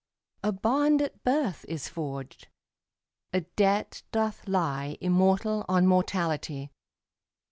A bond at birth is forged; a debt doth lie Immortal on mortality.